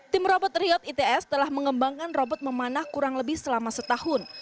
tim robot riot its telah mengembangkan robot memanah kurang lebih selama setahun